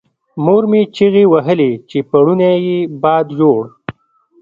مور مې چیغې وهلې چې پوړونی یې باد یووړ.